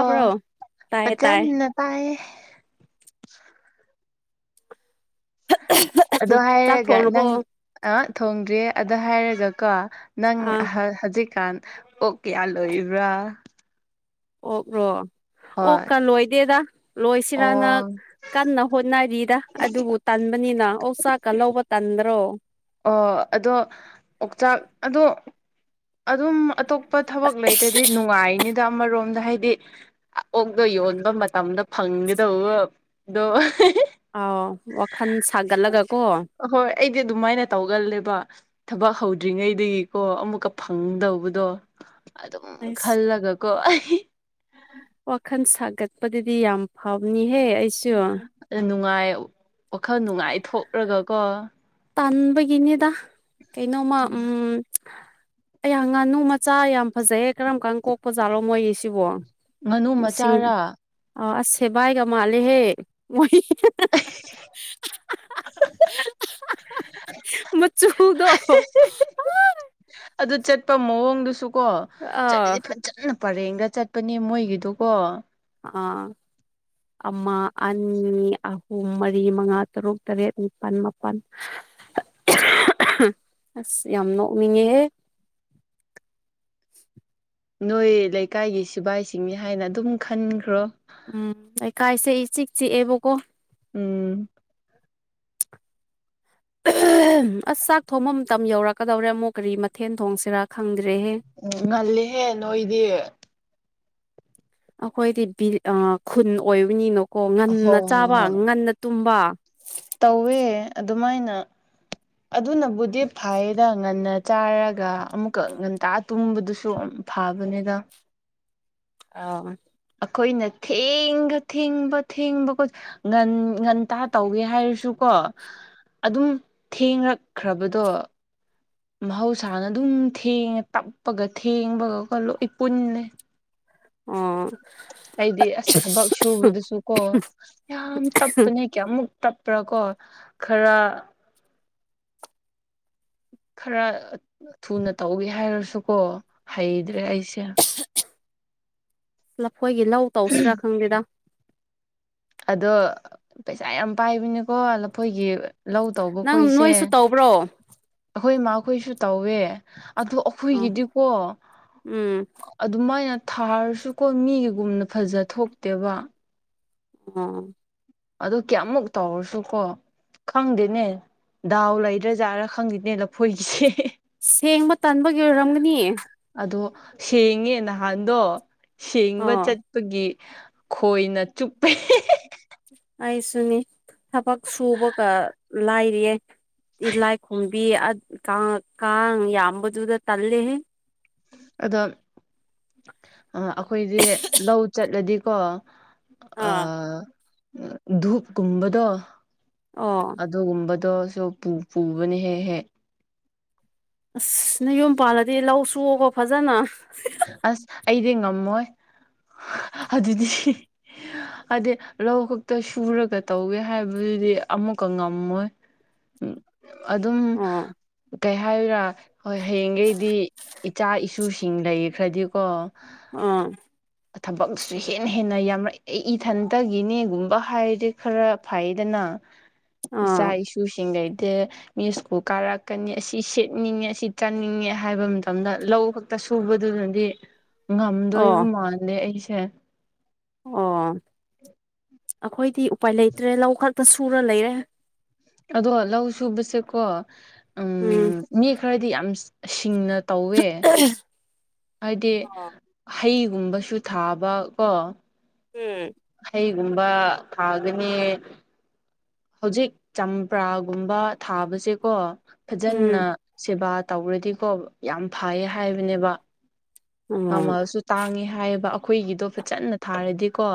ꯑꯣ ꯇꯥꯏꯌꯦ ꯇꯥꯏ ꯐꯖꯟꯅ ꯇꯥꯏꯌꯦ ꯑꯣ ꯆꯥꯛ ꯍꯥꯏꯔꯒ ꯊꯣꯡꯔꯕꯣ ꯅꯪ ꯑ ꯊꯣꯡꯗ꯭ꯔꯤꯌꯦ ꯑꯗꯨ ꯍꯥꯏꯔꯒꯀꯣ ꯅꯪ ꯑꯥ ꯍꯧꯖꯤꯛꯀꯥꯟ ꯑꯣꯛ ꯀꯌꯥ ꯂꯣꯏꯔꯤꯕ꯭ꯔꯥ ꯑꯣꯛ ꯔꯣ ꯑꯣꯛ ꯍꯣꯏ ꯀ ꯂꯣꯏꯗꯦꯗ ꯂꯣꯏꯁꯤꯔꯥꯅ ꯑꯣ ꯀꯟꯅ ꯍꯣꯠꯅꯔꯤꯗ ꯑꯗꯨꯕꯨ ꯇꯟꯕꯅꯤꯅ ꯑꯣ ꯆꯥꯛꯀ ꯂꯧꯕ ꯇꯟꯗ꯭ꯔꯣ ꯑꯣ ꯑꯗꯣ ꯑꯣꯛꯆꯥꯛ ꯑꯗꯣ ꯑꯗꯨꯝ ꯑꯇꯣꯞꯄ ꯊꯕꯛ ꯂꯩꯇ꯭ꯔꯗꯤ ꯅꯨꯡꯉꯥꯏꯅꯤꯗ ꯑꯃꯔꯣꯝꯗ ꯍꯥꯏꯗꯤ ꯑꯣꯛꯗꯣ ꯌꯣꯟꯕ ꯃꯇꯝꯗ ꯐꯪꯒꯗꯧꯕꯗꯣ ꯑꯥꯎ ꯋꯥꯈꯜ ꯁꯥꯒꯠꯂꯒ ꯀꯣ ꯍꯣꯏ ꯑꯩꯗꯤ ꯑꯗꯨꯃꯥꯏꯅ ꯇꯧꯒꯜꯂꯦꯕ ꯊꯕꯛ ꯍꯧꯗ꯭ꯔꯤꯉꯩꯗꯒꯤꯀꯣ ꯑꯃꯨꯛꯀ ꯐꯪꯗꯧꯕꯗꯣ ꯑꯗꯨꯝ ꯑꯁ ꯈꯜꯂꯒ ꯀꯣ ꯑꯩ ꯋꯥꯈꯜ ꯁꯥꯒꯠꯄꯗꯗꯤ ꯌꯥꯝ ꯐꯕꯅꯤꯍꯦ ꯑꯩ ꯅꯨꯡꯉꯥꯏ ꯋꯥꯈꯜ ꯅꯨꯡꯉꯥꯏ ꯊꯣꯛꯂꯒꯀꯣ ꯇꯟꯕꯒꯤꯅꯤꯗ ꯀꯩꯅꯣꯝꯃ ꯎꯝ ꯑꯌꯥ ꯉꯥꯅꯨ ꯃꯆꯥ ꯌꯥꯝ ꯐꯖꯩꯌꯦ ꯀꯔꯝ ꯀꯥꯟ ꯀꯣꯛꯄ ꯖꯥꯠꯂꯣ ꯃꯣꯏꯒꯤꯁꯤꯕꯣ ꯉꯥꯅꯨ ꯃꯆꯥꯔꯥ ꯑ ꯑꯁꯦ ꯚꯥꯏꯒ ꯃꯥꯜꯂꯦꯍꯦ ꯃꯣꯏ [inaudible] ꯃꯆꯨꯗꯣ ꯑꯗꯨ ꯆꯠꯄ ꯃꯑꯣꯡꯗꯨꯁꯨ ꯀꯣ ꯑꯥ ꯆꯠꯂꯗꯤ ꯐ ꯐꯖꯅ ꯄꯔꯦꯡꯗ ꯆꯠꯄꯅꯦ ꯃꯣꯏꯒꯤꯗꯨꯀꯣ ꯑꯥ ꯑꯃ ꯑꯅꯤ ꯑꯍꯨꯝ ꯃꯔꯤ ꯃꯉꯥ ꯇꯔꯨꯛ ꯇꯔꯦꯠ ꯅꯤꯄꯥꯜ ꯃꯥꯄꯜ ꯑꯁ ꯌꯥꯝ ꯅꯣꯛꯅꯤꯡꯉꯦꯍꯦ ꯅꯣꯏ ꯂꯩꯀꯥꯏꯒꯤ ꯁꯤꯕꯥꯏꯁꯤꯡꯅꯤ ꯍꯥꯏꯅ ꯑꯗꯨꯝ ꯈꯟꯈ꯭ꯔꯣ ꯎꯝ ꯂꯩꯀꯥꯏꯁꯦ ꯏꯆꯤꯛ ꯆꯤꯛꯑꯦꯕꯀꯣ ꯎꯝ ꯑꯁ ꯆꯥꯛ ꯊꯣꯡꯕ ꯃꯇꯝ ꯌꯧꯔꯛꯀꯗꯧꯔꯦ ꯑꯃꯨꯛ ꯀꯔꯤ ꯃꯊꯦꯟ ꯊꯣꯡꯁꯤꯔꯥ ꯈꯪꯗ꯭ꯔꯦꯍꯦ ꯉꯜꯂꯦꯍꯦ ꯅꯣꯏꯗꯤ ꯑꯩꯈꯣꯏꯗꯤ ꯈꯨꯟ ꯑꯣꯏꯕꯅꯤꯅꯀꯣ ꯍꯣꯏ ꯉꯟꯅ ꯍꯣꯏ ꯆꯥꯕ ꯍꯣꯏ ꯉꯟꯅ ꯇꯨꯝꯕ ꯇꯧꯋꯦ ꯑꯗꯨꯃꯥꯏꯅ ꯑꯗꯨꯅꯕꯨꯗꯤ ꯐꯥꯏꯌꯦꯗ ꯉꯟꯅ ꯆꯥꯔꯒ ꯑꯃꯨꯛꯀ ꯉꯟꯇꯥ ꯇꯨꯝꯕꯗꯨꯁꯨ ꯐꯥꯕꯅꯤꯗ ꯑ ꯑꯩꯈꯣꯏꯅ ꯊꯦꯡꯕ ꯊꯦꯡꯕ ꯊꯦꯡꯕ ꯉꯟ ꯉꯟꯇꯥ ꯇꯧꯒꯦ ꯍꯥꯏꯔꯁꯨꯀꯣ ꯑꯗꯨꯝ ꯊꯦꯡꯉꯛꯈ꯭ꯔꯕꯗꯣ ꯃꯍꯧꯁꯥꯅ ꯑꯗꯨꯝ ꯊꯦꯡꯉꯦ ꯇꯞꯄꯒ ꯊꯦꯡꯕꯒꯒ ꯂꯣꯏ ꯄꯨꯟꯅꯦ ꯎꯝ ꯍꯥꯏꯗꯤ ꯑꯁ ꯊꯕꯛ ꯁꯨꯕꯗꯁꯨ ꯀꯣ ꯌꯥꯝ ꯇꯞꯄꯅꯦ ꯀꯌꯥꯃꯨꯛ ꯇꯞꯄ꯭ꯔꯥ ꯀꯣ ꯈꯔ ꯈꯔ ꯊꯨꯅ ꯇꯧꯒꯦ ꯍꯥꯏꯔꯁꯨꯀꯣ ꯍꯩꯗ꯭ꯔꯦ ꯑꯩꯁꯦ ꯂꯐꯣꯏꯒꯤ ꯂꯧ ꯇꯧꯁꯤꯔꯥ ꯈꯪꯗꯦꯗ ꯑꯗꯣ ꯄꯩꯁꯥ ꯌꯥꯝ ꯄꯥꯏꯕꯅꯤꯀꯣ ꯂꯐꯣꯏꯒꯤ ꯂꯧ ꯇꯧꯕ ꯅꯪ ꯈꯣꯏꯁꯦ ꯅꯣꯏꯁꯨ ꯇꯧꯕ꯭ꯔꯣ ꯑꯩꯈꯣꯏ ꯏꯃꯥꯈꯣꯏꯁꯨ ꯇꯧꯋꯦ ꯑꯗꯣ ꯑ ꯑꯩꯈꯣꯏꯒꯤꯗꯤꯀꯣ ꯎꯝ ꯑꯗꯨꯃꯥꯏꯅ ꯊꯥꯔꯁꯨꯀꯣ ꯃꯤꯒꯤꯒꯨꯝꯅ ꯐꯖ ꯊꯣꯛꯇꯦꯕ ꯑꯝ ꯑꯗꯨ ꯀꯌꯥꯃꯨꯛ ꯇꯧꯔꯁꯨ ꯀꯣ ꯈꯪꯗꯦꯅꯦ ꯗꯥꯎ ꯂꯩꯗ꯭ꯔꯖꯥꯔꯥ ꯈꯪꯗꯦꯅꯦ ꯂꯐꯣꯏꯒꯤꯁꯦ ꯁꯦꯡꯕ ꯇꯟꯕꯒꯤ ꯑꯣꯏꯔꯝꯒꯅꯤ ꯑꯗꯣ ꯁꯦꯡꯉꯦ ꯅꯍꯥꯟꯗꯣ ꯁꯦꯡꯕ ꯑꯣ ꯆꯠꯄꯒꯤ ꯈꯣꯏꯅ ꯆꯨꯞꯄꯦ ꯑꯩꯁꯨꯅꯤ ꯊꯕꯛ ꯁꯨꯕꯒ ꯂꯥꯏꯔꯤꯌꯦ ꯇꯤꯂꯥꯏ ꯈꯣꯝꯕꯤ ꯑ ꯀ ꯀꯥꯡ ꯌꯥꯝꯕꯗꯨꯗ ꯇꯜꯂꯦꯍꯦ ꯑꯗꯣ ꯑꯩꯈꯣꯏꯁꯦ ꯂꯧ ꯆꯠꯂꯗꯤꯀꯣ ꯑ ꯑꯥ ꯙꯨꯞ ꯀꯨꯝꯕꯗꯣ ꯑꯥ ꯑꯣ ꯑꯗꯨꯒꯨꯝꯕꯗꯣꯁꯨ ꯄꯨꯕꯅꯦ ꯍꯦꯛ ꯍꯦꯛ ꯑꯁ ꯅ ꯌꯨꯝꯄꯥꯜꯂꯗꯤ ꯂꯧ ꯁꯨꯑꯣ ꯀꯣ ꯐꯖꯅ ꯑꯁ ꯑꯩꯗꯤ ꯉꯝꯃꯣꯏ ꯑꯗꯨꯗꯤ ꯍꯥꯏꯗꯤ ꯂꯧ ꯈꯛꯇ ꯁꯨꯔꯒ ꯇꯧꯒꯦ ꯍꯥꯏꯕꯗꯨꯗꯤ ꯑꯃꯨꯛꯀ ꯉꯝꯃꯣꯏ [inaudible] ꯑꯗꯨꯝ ꯑꯣ ꯀꯩ ꯍꯥꯏꯔꯥ ꯍꯣꯏ ꯍꯌꯦꯡꯈꯩꯗꯤ ꯏꯆꯥ ꯏꯁꯨ ꯁꯤꯡ ꯂꯩꯈ꯭ꯔꯗꯤꯀꯣ ꯎꯝ ꯊꯕꯛꯁꯨ ꯍꯦꯟꯅ ꯍꯦꯟꯅ ꯌꯥꯝꯃꯛ ꯏꯊꯟꯇꯒꯤꯅꯦꯒꯨꯝꯕ ꯍꯥꯏꯔꯗꯤ ꯈꯔ ꯐꯩꯗꯅ [inaudible] ꯏꯆꯥ ꯏꯁꯨꯁꯤꯡꯈꯩꯗꯤ ꯃꯤ ꯁꯀ꯭ꯨꯜ ꯀꯥꯔꯛꯀꯅꯤ ꯑꯁꯤ ꯁꯦꯠꯅꯤꯡꯉꯦ ꯑꯁꯤ ꯆꯥꯅꯤꯡꯉꯦ ꯍꯥꯏꯕ ꯃꯇꯝꯗ ꯂꯧ ꯇ ꯁꯨꯕꯗꯨꯅꯗꯤ ꯑꯣ ꯉꯝꯗꯣꯏꯕ ꯃꯥꯟꯗꯦ ꯑꯩꯁꯦ ꯑꯣ ꯑꯩꯈꯣꯏꯗꯤ ꯎꯄꯥꯏ ꯂꯩꯇ꯭ꯔꯦ ꯂꯧ ꯈꯛꯇ ꯁꯨꯔ ꯂꯩꯔꯦ ꯑꯗꯣ ꯂꯧ ꯁꯨꯕꯁꯦꯀꯣ ꯎꯝ ꯃꯤ ꯈꯔꯗꯤ ꯌꯥꯝ ꯁꯤꯡꯅ ꯇꯧꯋꯦ [unintelligible] ꯍꯥꯏꯗꯤ ꯍꯩꯒꯨꯝꯕꯁꯨ ꯊꯥꯕ ꯀꯣ [unintelligible] ꯍꯩꯒꯨꯝꯕ ꯊꯥꯒꯅꯤ ꯍꯧꯖꯤꯛ ꯆꯝꯄ꯭ꯔꯥꯒꯨꯝꯕ ꯊꯥꯕꯁꯦꯀꯣ ꯐꯖꯟꯅ ꯎꯝ ꯁꯦꯕꯥ ꯇꯧꯔꯗꯤꯀꯣ ꯌꯥꯝ ꯐꯥꯏꯌꯦ ꯍꯥꯏꯕꯅꯦꯕ ꯎꯝ ꯃꯃꯜꯁꯨ ꯇꯥꯡꯉꯦ ꯍꯥꯏꯌꯦꯕ ꯑꯩꯈꯣꯏꯒꯤꯗꯣ ꯐꯖꯟꯅ ꯊꯥꯔꯗꯤꯀꯣ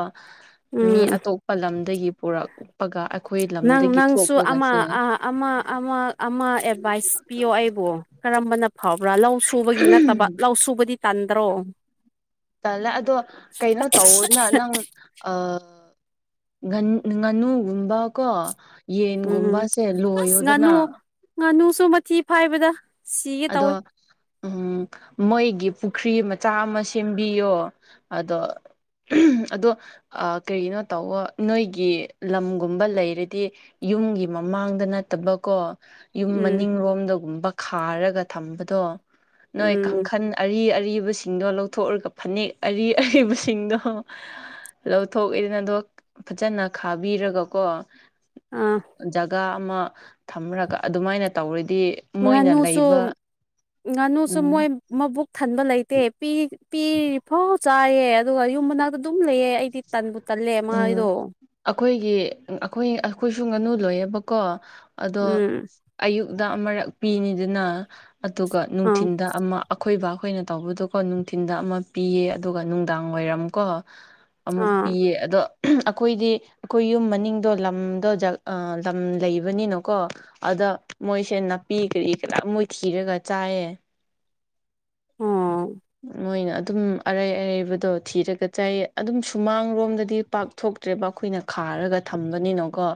ꯃꯤ ꯎꯝ ꯑꯇꯣꯞꯄ ꯂꯝꯗꯒꯤ ꯄꯨꯔꯛꯄꯒ ꯑꯩꯈꯣꯏ ꯅꯪ ꯂꯝꯗꯒꯤ ꯅꯪꯁꯨ ꯑꯃ ꯊꯣꯛꯄꯒꯁꯦ ꯑꯃ ꯑꯃ ꯑꯃ ꯑꯦꯗꯚꯥꯏꯁ ꯄꯤꯌꯣ ꯑꯩꯕꯣ ꯀꯔꯝꯕꯅ ꯐꯕ꯭ꯔꯥ ꯂꯧ ꯁꯨꯕꯒꯤ ꯅꯠꯇꯕ ꯂꯧ ꯁꯨꯕꯗꯤ ꯇꯟꯗ꯭ꯔꯣ ꯇꯜꯂꯦ ꯑꯗꯣ ꯀꯩꯅꯣ ꯇꯧꯑꯣꯅ ꯅꯪ ꯑꯥ ꯉꯟ ꯉꯟꯅꯨꯒꯨꯝꯕ ꯀꯣ ꯎꯝ ꯌꯦꯟꯒꯨꯝꯕꯁꯦ ꯑꯁ ꯉꯥꯅꯨ ꯂꯣꯏꯌꯣꯗꯅ ꯉꯥꯅꯨꯁꯨ ꯃꯊꯤ ꯐꯥꯏꯕꯗ ꯁꯤꯒꯦ ꯇꯧꯋꯤ ꯑꯗꯣ ꯎꯝ ꯃꯣꯏꯒꯤ ꯄꯨꯈ꯭ꯔꯤ ꯃꯆꯥ ꯑꯃ ꯁꯦꯝꯕꯤꯌꯣ ꯑꯗꯣ [unintelligible] ꯑꯗꯣ ꯑꯥ ꯀꯔꯤꯅꯣ ꯇꯧꯋꯣ ꯅꯣꯏꯒꯤ ꯂꯝꯒꯨꯝꯕ ꯂꯩꯔꯗꯤ ꯌꯨꯝꯒꯤ ꯃꯃꯥꯡꯗ ꯅꯠꯇꯕꯀꯣ ꯌꯨꯝ ꯎꯝ ꯃꯅꯤꯡꯔꯣꯝꯗꯒꯨꯝꯕ ꯈꯥꯔꯒ ꯊꯝꯕꯗꯣ ꯅꯣꯏ ꯎꯝ ꯀꯥꯡꯈꯟ ꯑꯔꯤ ꯑꯔꯤꯕꯁꯤꯡꯗꯣ ꯂꯧꯊꯣꯛꯎꯔꯒ ꯐꯅꯦꯛ ꯑꯔꯤ ꯑꯔꯤꯕꯁꯤꯡꯗꯣ ꯂꯧꯊꯣꯛꯑꯦꯗꯅꯗꯣ ꯐꯖꯅ ꯈꯥꯕꯤꯔꯒꯀꯣ ꯑꯥ ꯖꯒꯥ ꯑꯃ ꯊꯝꯔꯒ ꯑꯗꯨꯃꯥꯏꯅ ꯇꯧꯔꯗꯤ ꯃꯣꯏꯅ ꯉꯥꯅꯨꯁꯨ ꯂꯩꯕ ꯉꯥꯅꯨꯁꯨ ꯃꯣꯏ ꯎꯝ ꯃꯕꯨꯛ ꯊꯟꯕ ꯂꯩꯇꯦ ꯄꯤ ꯄꯤꯔꯤ ꯐꯥꯎ ꯆꯥꯏꯌꯦ ꯑꯗꯨꯒ ꯌꯨꯝ ꯃꯅꯥꯛꯇ ꯗꯨꯝ ꯂꯩꯌꯦ ꯑꯩꯗꯤ ꯇꯟꯕꯨ ꯇꯜꯂꯦ ꯃꯥꯥꯏꯗꯣ ꯑꯈꯣꯏꯒꯤ ꯑꯈꯣꯏ ꯑꯈꯣꯏꯁꯨ ꯉꯅꯨ ꯂꯣꯏꯌꯦꯕꯀꯣ ꯑꯗꯣ ꯎꯝ ꯑꯌꯨꯛꯗꯥ ꯑꯃꯔꯛ ꯄꯤꯅꯤꯗꯅ ꯑꯗꯨꯒ ꯑꯥ ꯅꯨꯡꯊꯤꯟꯗ ꯑꯃ ꯑꯈꯣꯏꯕꯥ ꯈꯣꯏꯅ ꯇꯧꯕꯗꯣꯀꯣ ꯅꯨꯡꯊꯤꯟꯗ ꯑꯃ ꯄꯤꯌꯦ ꯑꯗꯨꯒ ꯅꯨꯡꯗꯥꯡ ꯋꯥꯏꯔꯝꯀꯣ ꯑꯃꯨꯛ ꯑꯥ ꯄꯤꯌꯦ ꯑꯗꯣ ꯑꯈꯣꯏꯗꯤ ꯑꯈꯣꯏ ꯌꯨꯝ ꯃꯅꯤꯡꯗꯣ ꯂꯝꯗꯣ ꯖꯛ ꯑꯥ ꯂꯝ ꯂꯩꯕꯅꯤꯅꯀꯣ ꯑꯗ ꯃꯣꯏꯁꯦ ꯅꯥꯄꯤ ꯀꯔꯤ ꯀꯔꯥꯛ ꯃꯣꯏ ꯊꯤꯔꯒ ꯆꯥꯏꯌꯦ ꯑꯣ ꯃꯣꯏꯅ ꯑꯗꯨꯝ ꯑꯔꯩ ꯑꯔꯩꯕꯗꯣ ꯊꯤꯔꯒ ꯆꯥꯏꯌꯦ ꯑꯗꯨꯝ ꯁꯨꯃꯥꯡꯂꯣꯝꯗꯗꯤ ꯄꯥꯛꯊꯣꯛ- ꯇ꯭ꯔꯦꯕ ꯑꯈꯣꯏꯅ ꯈꯥꯔꯒ ꯊꯝꯕꯅꯤꯅꯀꯣ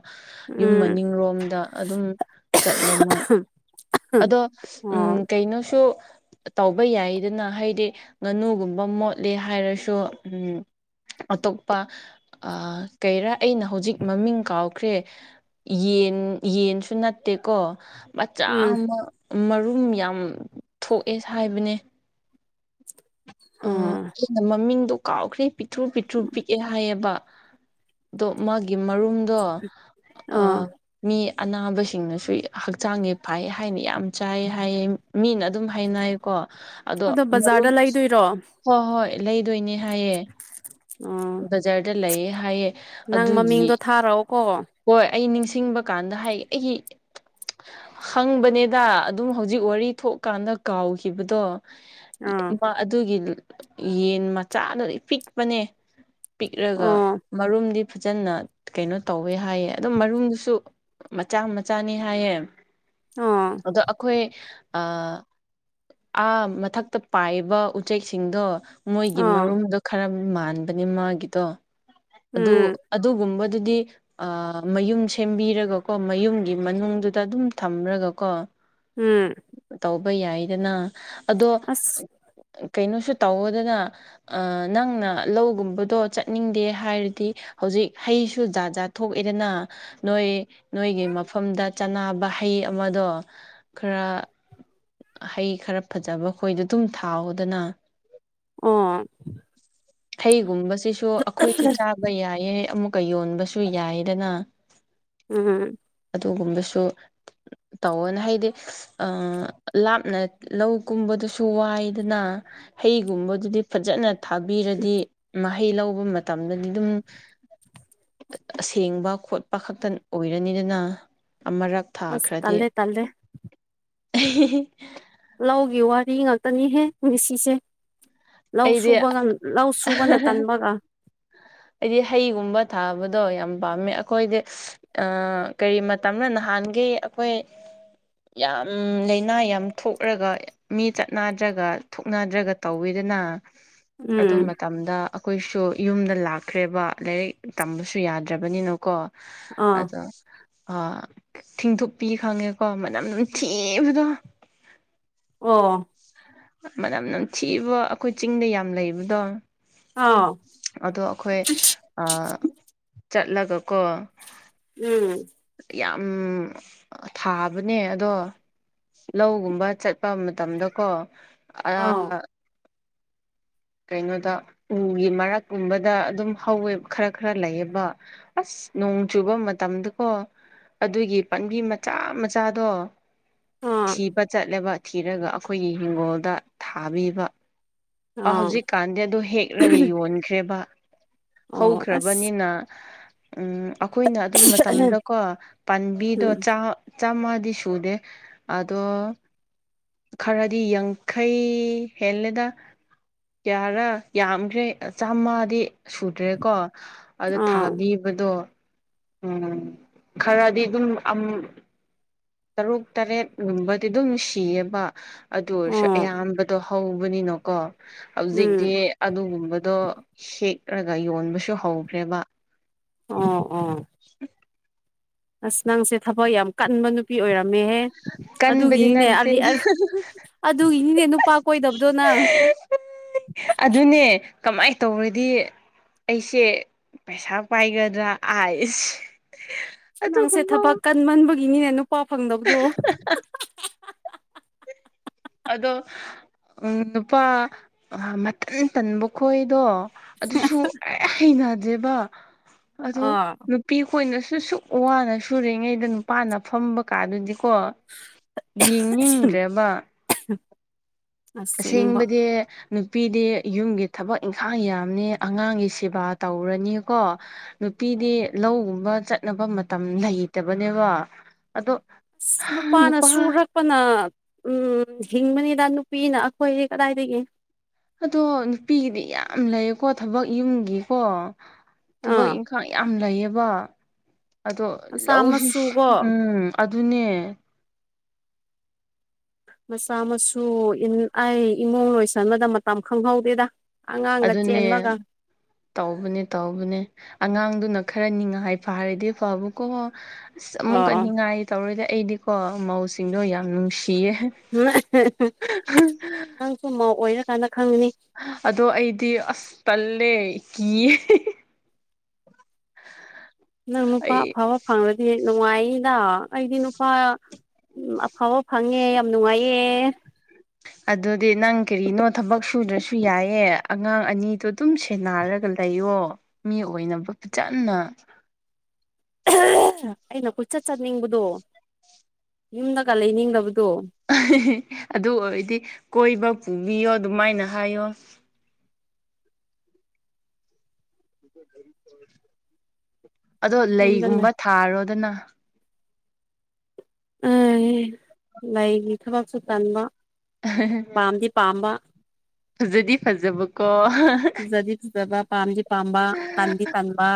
ꯌꯨꯝ ꯎꯝ ꯃꯅꯤꯡꯔꯣꯝꯗ ꯑꯗꯨꯝ ꯆꯠꯂꯦ ꯃꯣꯏ ꯑꯗꯣ ꯎꯝ ꯑꯣ ꯀꯩꯅꯣꯁꯨ ꯇꯧꯕ ꯌꯥꯏꯗꯅ ꯍꯥꯏ- ꯗꯤ ꯉꯅꯨꯒꯨꯝꯕ ꯃꯣꯠꯂꯦ ꯍꯥꯏꯔꯁꯨ ꯎꯝ ꯑꯇꯣꯞꯄ ꯀꯩꯔꯥ ꯑꯩꯅ ꯍꯧꯖꯤꯛ ꯃꯃꯤꯡ ꯀꯥꯎꯈ꯭ꯔꯦ ꯌꯦꯟ ꯌꯦꯟꯁꯨ ꯅꯠꯇꯦꯀꯣ ꯃꯆꯥ ꯎꯝ ꯑꯃ ꯃꯔꯨꯝ ꯌꯥꯝ ꯊꯣꯛꯑꯦ ꯍꯥꯏꯕꯅꯦ [unintelligible] ꯑꯩꯅ ꯃꯃꯤꯡꯗꯣ ꯀꯥꯎꯈ꯭ꯔꯦ ꯄꯤꯇ꯭ꯔꯨ ꯄꯤꯇ꯭ꯔꯨ ꯄꯤꯛꯑꯦ ꯍꯥꯏꯌꯦꯕ ꯗꯣ ꯃꯒꯤ ꯃꯔꯨꯝꯗꯣ ꯑꯥ ꯃꯤ ꯑꯅꯥꯕꯁꯤꯡꯅꯁꯨ ꯍꯛꯆꯥꯡꯉꯤ ꯐꯥꯏ ꯍꯥꯏꯅ ꯌꯥꯝ ꯆꯥꯏ ꯍꯥꯏꯌꯦ ꯃꯤꯅ ꯑꯗꯨꯝ ꯍꯥꯏꯅꯩꯀꯣ ꯑꯗꯣ ꯕꯖꯥꯔꯗ ꯂꯩꯗꯣꯏꯔꯣ ꯍꯣꯏ ꯍꯣꯏ ꯂꯩꯗꯣꯏꯅꯦ ꯍꯥꯏꯌꯦ ꯎꯝ ꯕꯖꯥꯔꯗ ꯂꯩꯌꯦ ꯍꯥꯏꯌꯦ ꯅꯪ ꯑꯗꯨꯒꯤ ꯃꯃꯤꯡꯗꯣ ꯊꯥꯔꯛꯑꯣꯀꯣ ꯍꯣꯏ ꯑꯩ ꯅꯤꯡꯁꯤꯡꯕ ꯀꯥꯟꯗ ꯍꯥꯏ ꯑꯩꯒꯤ ꯍꯪꯕꯅꯦꯗ ꯑꯗꯨꯝ ꯍꯧꯖꯤꯛ ꯋꯥꯔꯤ ꯊꯣꯛꯀꯥꯟꯗ ꯀꯥꯎꯈꯤꯕꯗꯣ ꯑꯥ ꯌꯦꯟꯕꯥ ꯑꯗꯨꯒꯤ ꯌꯦꯟ ꯃꯆꯥꯗꯨꯗꯤ ꯄꯤꯛꯄꯅꯦ ꯄꯤꯛꯔꯒ ꯑꯣ ꯃꯔꯨꯝꯗꯤ ꯐꯖꯅ ꯀꯩꯅꯣ ꯇꯧꯋꯦ ꯍꯥꯏꯌꯦ ꯑꯗꯨꯝ ꯃꯔꯨꯝꯗꯨꯁꯨ ꯃꯆꯥ ꯃꯆꯥꯅꯤ ꯍꯥꯏꯌꯦ ꯑꯥ ꯑꯗꯣ ꯑꯈꯣꯏ ꯑ ꯑꯥ ꯃꯊꯛꯇ ꯄꯥꯏꯕ ꯎꯆꯦꯛꯁꯤꯡꯗꯣ ꯃꯣꯏꯒꯤ ꯑꯥ ꯃꯔꯨꯝꯗꯣ ꯈꯔ ꯃꯥꯟꯕꯅꯦ ꯃꯥꯒꯤꯗꯣ ꯑꯗꯨ ꯎꯝ ꯑꯗꯨꯒꯨꯝꯕꯗꯨꯗꯤ ꯑ ꯃꯌꯨꯝ ꯁꯦꯝꯕꯤꯔꯒꯀꯣ ꯃꯌꯨꯝꯒꯤ ꯃꯅꯨꯡꯗꯨꯗ ꯑꯗꯨꯝ ꯊꯝꯔꯒꯀꯣ ꯎꯝ ꯇꯧꯕ ꯌꯥꯏꯗꯅ ꯑꯗꯣ ꯑꯁ ꯀꯩꯅꯣꯁꯨ ꯇꯧꯋꯣꯗꯅ ꯑ ꯅꯪꯅ ꯂꯧꯒꯨꯝꯕꯗꯣ ꯆꯠꯅꯤꯡꯗꯦ ꯍꯥꯏꯔꯗꯤ ꯍꯧꯖꯤꯛ ꯍꯩꯁꯨ ꯖꯥꯠ ꯖꯥꯠ ꯊꯣꯛꯑꯦꯗꯅ ꯅꯣꯏ ꯅꯣꯏꯒꯤ ꯃꯐꯝꯗ ꯆꯥꯅꯕ ꯍꯩ ꯑꯃꯗꯣ ꯈꯔ ꯍꯩ ꯈꯔ ꯐꯖꯕ ꯈꯣꯏꯗꯣ ꯑꯗꯨꯝ ꯊꯥꯎꯑꯣꯗꯅ ꯑꯣ ꯍꯩꯒꯨꯝꯕꯁꯤꯁꯨ ꯑꯩꯈꯣꯏꯁꯨ ꯆꯥꯕ ꯌꯥꯏꯌꯦ ꯑꯃꯨꯛꯀ ꯌꯣꯟꯕꯁꯨ ꯌꯥꯏꯗꯅ ꯎꯝ ꯑꯗꯨꯒꯨꯝꯕꯁꯨ ꯇꯧꯋꯣꯅ ꯍꯥꯏꯗꯤ ꯑ ꯂꯥꯞꯅ ꯂꯧꯀꯨꯝꯕꯗꯨꯁꯨ ꯋꯥꯏꯗꯅ ꯍꯩꯒꯨꯝꯕꯗꯨꯗꯤ ꯐꯖꯅ ꯊꯥꯕꯤꯔꯗꯤ ꯃꯍꯩ ꯂꯧꯕ ꯃꯇꯝꯗꯗꯤ ꯑꯗꯨꯝ ꯑꯁꯦꯡꯕ ꯈꯣꯠꯄ ꯈꯛꯇꯪ ꯑꯣꯏꯔꯅꯤꯗꯅ ꯑꯃꯔꯛ ꯑꯁ ꯊꯥꯈ꯭ꯔꯗꯤ ꯇꯜꯂꯦ ꯇꯜꯂꯦ ꯂꯧꯒꯤ ꯋꯥꯔꯤ ꯉꯥꯛꯇꯅꯤꯍꯦ ꯉꯁꯤꯁꯦ ꯂꯧ ꯑꯩꯗꯤ ꯁꯨꯕꯒ ꯂꯧ ꯁꯨꯕꯅ ꯇꯟꯕꯒ ꯑꯩꯗꯤ ꯍꯩꯒꯨꯝꯕ ꯊꯥꯕꯗꯣ ꯌꯥꯝ ꯄꯥꯝꯃꯦ ꯑꯈꯣꯏꯗꯤ ꯑ ꯀꯔꯤ ꯃꯇꯝꯔ ꯅꯍꯥꯟꯒꯤ ꯑꯩꯈꯣꯏ ꯌꯥꯝ ꯂꯥꯏꯅꯥ ꯌꯥꯝ ꯊꯣꯛꯔꯒ ꯃꯤ ꯆꯠꯅꯗ꯭ꯔꯒ ꯊꯣꯛꯅꯗ꯭ꯔꯒ ꯇꯧꯋꯤꯗꯅ ꯎꯝ ꯑꯗꯨꯃꯠ ꯇꯝꯗ ꯑꯩꯈꯣꯏꯁꯨ ꯌꯨꯝꯗ ꯂꯥꯛꯈ꯭ꯔꯦꯕ ꯂꯥꯏꯔꯤꯛ ꯇꯝꯕꯁꯨ ꯌꯥꯗ꯭ꯔꯕꯅꯤꯅꯀꯣ ꯑꯥ ꯑꯗꯣ ꯑ ꯊꯤꯡꯊꯣꯛꯄꯤ ꯈꯪꯉꯦꯀꯣ ꯃꯅꯝ ꯅꯝꯊꯤꯕꯗꯣ ꯑꯣ ꯃꯅꯝ ꯅꯝꯊꯤꯕ ꯑꯩꯈꯣꯏ ꯆꯤꯡꯗ ꯌꯥꯝ ꯂꯩꯕꯗꯣ ꯑꯥꯎ ꯑꯗꯣ ꯑꯩꯈꯣꯏ ꯑ ꯆꯠꯂꯒꯀꯣ ꯎꯝ ꯌꯥꯝ ꯊꯥꯕꯅꯦ ꯑꯗꯣ ꯂꯧꯒꯨꯝꯕ ꯆꯠꯄ ꯃꯇꯝꯗꯀꯣ ꯑꯔꯥ ꯑꯥꯎ ꯀꯩꯅꯣꯗ ꯎꯒꯤ ꯃꯔꯛꯀꯨꯝꯕꯗ ꯑꯗꯨꯝ ꯍꯧꯋꯦ ꯈꯔ ꯈꯔ ꯂꯩꯌꯦꯕ ꯑꯁ ꯅꯣꯡ ꯆꯨꯕ ꯃꯇꯝꯗꯀꯣ ꯑꯗꯨꯒꯤ ꯄꯥꯝꯕꯤ ꯃꯆꯥ ꯃꯆꯥꯗꯣ ꯑꯥ ꯊꯤꯕ ꯆꯠꯂꯦꯕ ꯊꯤꯔꯒ ꯑꯩꯈꯣꯏꯒꯤ ꯍꯤꯡꯒꯣꯜꯗ ꯊꯥꯕꯤꯕ ꯑꯥ ꯍꯧꯖꯤꯛꯀꯥꯟꯗꯤ ꯑꯗꯣ ꯍꯦꯛꯔꯒ ꯌꯣꯟꯈ꯭ꯔꯦꯕ ꯑꯣ ꯑꯁ ꯍꯧꯈ꯭ꯔꯕꯅꯤꯅ ꯎꯝ ꯑꯩꯈꯣꯏꯅ ꯑꯗꯨ ꯃꯇꯝꯗꯀꯣ ꯄꯥꯟꯕꯤꯗꯣ ꯎꯝ ꯆꯥ ꯆꯥꯝꯃꯗꯤ ꯁꯨꯗꯦ ꯑꯗꯣ ꯈꯔꯗꯤ ꯌꯥꯡꯈꯩ ꯍꯦꯜꯂꯦꯗ ꯀꯌꯥꯔ ꯌꯥꯝꯈ꯭ꯔꯦ ꯆꯥꯝꯃꯗꯤ ꯁꯨꯗ꯭ꯔꯦꯀꯣ ꯑꯗꯨ ꯑꯥ ꯊꯥꯕꯤ ꯑꯗꯣ ꯎꯝ ꯈꯔꯗꯤ ꯑꯗꯨꯝ ꯑꯝ ꯇꯔꯨꯛ ꯇꯔꯦꯠꯒꯨꯝꯕꯗꯤ ꯑꯗꯨꯝ ꯁꯤꯌꯦꯕ ꯑꯗꯨ ꯑꯣꯏꯔꯁꯨ ꯑꯣ ꯑꯌꯥꯝꯕꯗꯣ ꯍꯧꯕꯅꯤꯅꯀꯣ ꯍꯧꯖꯤꯛꯇꯤ ꯎꯝ ꯑꯗꯨꯒꯨꯝꯕꯗꯣ ꯍꯦꯛꯔꯑꯒ ꯌꯣꯟꯕꯁꯨ ꯍꯧꯈ꯭ꯔꯦꯕ ꯑꯣ ꯑꯣ [unintelligible] ꯑꯁ ꯅꯪꯁꯦ ꯊꯕꯛ ꯌꯥꯝ ꯀꯟꯕ ꯅꯨꯄꯤ ꯑꯣꯏꯔꯝꯃꯦꯍꯦ ꯀꯟꯕꯗꯤ ꯑꯗꯨꯒꯤꯅꯤꯅꯦ ꯅꯠꯇꯦ ꯑꯔꯤ ꯑꯁ ꯑꯗꯨꯒꯤꯅꯤꯅꯦ ꯅꯨꯄꯥ ꯀꯣꯏꯗꯕꯗꯣ ꯅꯪ ꯑꯗꯨꯅꯦ ꯀꯃꯥꯏ ꯇꯧꯔꯗꯤ ꯑꯩꯁꯦ ꯄꯩꯁꯥ ꯄꯥꯏꯒꯗ꯭ꯔꯥ ꯑꯥꯏꯁ ꯅꯪꯁꯦ ꯊꯕꯛ ꯑꯗꯨꯒꯨꯝꯕ ꯀꯟꯃꯟꯕꯒꯤꯅꯤꯅꯦ ꯅꯨꯄꯥ ꯐꯪꯗꯕꯗꯣ ꯑꯗꯣ ꯎꯝ ꯅꯨꯄꯥ ꯃꯇꯟ ꯇꯟꯕ ꯈꯣꯏꯗꯣ ꯑꯗꯨꯁꯨ ꯑꯩ ꯍꯩꯅꯗꯦꯕ ꯑꯗꯣ ꯑꯥ ꯅꯨꯞ ꯄꯤ ꯈꯣꯏꯅꯁꯨ ꯁꯨꯛ ꯋꯥꯅ ꯁꯔꯤꯉꯩꯗ ꯅꯨꯄꯥꯅ ꯐꯝꯕ ꯀꯥꯗꯨꯗꯤꯀꯣ ꯌꯦꯡꯅꯤꯡꯗ꯭ꯔꯦꯕ [unintelligible] ꯑꯁꯦꯡꯕ ꯑꯁꯦꯡꯕꯗꯤ ꯅꯨꯄꯤꯗꯤ ꯌꯨꯝꯒꯤ ꯊꯕꯛ ꯏꯪꯈꯥꯡ ꯌꯥꯝꯅꯤ ꯑꯉꯥꯡꯒꯤ ꯁꯦꯕꯥ ꯇꯧꯔꯅꯤꯀꯣ ꯅꯨꯄꯤꯗꯤ ꯂꯧꯒꯨꯝꯕ ꯆꯠꯅꯕ ꯃꯇꯝ ꯂꯩꯇꯕꯅꯦꯕ ꯑꯗꯣ [unintelligible] ꯅꯨꯄꯥꯅ ꯅꯨꯄꯥ ꯁꯨꯔꯛ ꯄꯅ ꯎꯝ ꯍꯤꯡꯕꯅꯤꯗ ꯅꯨꯄꯤꯅ ꯑꯩꯈꯣꯏꯗꯤ ꯀꯗꯥꯏꯗꯒꯤ ꯑꯗꯣ ꯅꯨꯄꯤꯒꯤꯗꯤ ꯌꯥꯝ ꯂꯩꯌꯦꯀꯣ ꯊꯕꯛ ꯌꯨꯝꯒꯤꯀꯣ ꯊꯕꯛ ꯑꯥ ꯏꯪꯈꯥꯡ ꯌꯥꯝ ꯂꯩꯌꯦꯕ ꯑꯗꯣ ꯃꯆꯥ ꯂꯧꯁꯨ ꯃꯁꯨꯀꯣ ꯎꯝ ꯑꯗꯨꯅꯦ ꯃꯆꯥ ꯃꯁꯨ ꯏꯟ ꯑꯩ ꯏꯃꯨꯡ ꯂꯣꯏꯁꯟꯕꯗ ꯃꯇꯝ ꯈꯪꯍꯧꯗꯦꯗ ꯑꯉꯥꯡꯒ ꯑꯗꯨꯅꯦ ꯆꯦꯟꯕꯒ ꯇꯧꯕꯅꯦ ꯇꯧꯕꯅꯦ ꯑꯉꯥꯡꯗꯨꯅ ꯈꯔ ꯅꯤꯡꯉꯥꯏ ꯐꯥꯔꯗꯤ ꯐꯥꯕꯀꯣ ꯑꯁ ꯑꯃꯨꯛꯀ ꯑꯣ ꯅꯤꯡꯉꯥꯏ ꯇꯧꯔꯗꯤ ꯑꯩꯗꯤꯀꯣ ꯃꯧꯁꯤꯡꯗꯣ ꯌꯥꯝ ꯅꯨꯡꯁꯤꯌꯦ ꯅꯪꯁꯨ ꯃꯧ ꯑꯣꯏꯔꯀꯥꯟꯗ ꯈꯪꯅꯤ ꯑꯗꯣ ꯑꯩꯗꯤ ꯑꯁ ꯇꯜꯂꯦ ꯀꯤꯌꯦ [inaudible] ꯅꯪ ꯅꯨꯄꯥ ꯑꯩ ꯑꯐꯕ ꯐꯪꯂꯗꯤ ꯅꯨꯡꯉꯥꯏꯅꯤꯗ ꯑꯩꯗꯤ ꯅꯨꯄꯥ ꯎꯝ ꯑꯐꯕ ꯐꯪꯉꯦ ꯌꯥꯝ ꯅꯨꯡꯉꯥꯏꯌꯦ ꯑꯗꯨꯗꯤ ꯅꯪ ꯀꯔꯤꯅꯣ ꯊꯕꯛ ꯁꯨꯗ꯭ꯔꯁꯨ ꯌꯥꯏꯌꯦ ꯑꯉꯥꯡ ꯑꯅꯤꯗꯨ ꯇꯨꯝ ꯁꯦꯟꯅꯔꯒ ꯂꯩꯌꯣ ꯃꯤ ꯑꯣꯏꯅꯕ ꯐꯖꯅ [unintelligible] ꯑꯩꯅ ꯀꯣꯏꯆꯠ ꯆꯠꯅꯤꯡꯕꯗꯣ ꯌꯨꯝꯗꯒ ꯂꯩꯅꯤꯡꯗꯕꯗꯣ꯫ [unintelligible] ꯑꯗꯨ ꯑꯣꯏꯔꯗꯤ ꯀꯣꯏꯕ ꯄꯨꯕꯤꯌꯣ ꯑꯗꯨꯃꯥꯏꯅ ꯍꯥꯏꯌꯣ꯫ [inaudible] ꯑꯗꯣ ꯌꯨꯝꯗ ꯂꯩꯒꯨꯝꯕ ꯊꯥꯔꯣꯗꯅ꯫ [unintelligible] ꯂꯩꯒꯤ ꯊꯕꯛꯁꯨ ꯇꯟꯕ ꯄꯥꯝꯗꯤ ꯄꯥꯝꯕ꯫ ꯐꯖꯗꯤ ꯐꯖꯕꯀꯣ ꯐꯖꯗꯤꯖꯕ ꯄꯥꯝꯗꯤ ꯄꯥꯝꯕ ꯇꯟꯗꯤ ꯇꯟꯕꯥ꯫